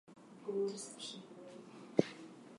She was only the second woman to hold this position.